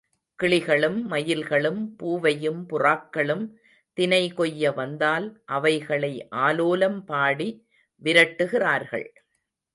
கிளிகளும், மயில்களும், பூவையும் புறாக்களும் தினை கொய்ய வந்தால் அவைகளை ஆலோலம் பாடி விரட்டுகிறாள்.